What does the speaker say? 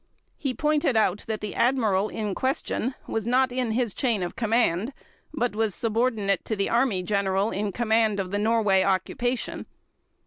He pointed out that the Admiral in question was not in his chain of command, but was subordinate to the Army general in command of the Norway occupation.